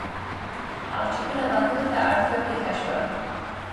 او چې کله به نورو ته اړتيا پېښه شوه